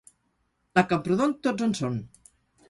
A Camprodon, tots en són.